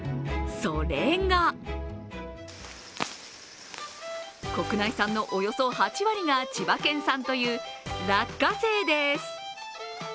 それが国内産のおよそ８割が千葉県産という落花生です。